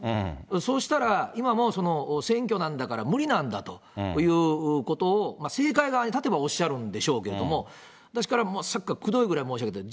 そうしたら、今も選挙なんだから無理なんだということを、政界側に立てばおっしゃるんでしょうけれども、私、さっきからくどいくらい申し上げてる。